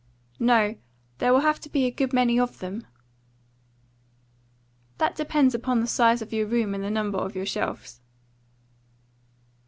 "No. There will have to be a good many of them." "That depends upon the size of your room and the number of your shelves."